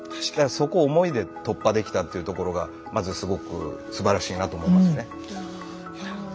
そこを思いで突破できたっていうところがまずすごくすばらしいなと思いますね。